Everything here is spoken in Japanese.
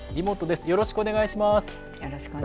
よろしくお願いします。